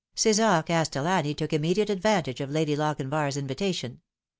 Ce"sar Castellani took immediate advantage of Lady Lochin var's invitation.